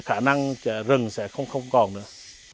khả năng rừng sẽ không còn nữa